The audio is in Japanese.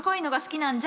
なんじゃ？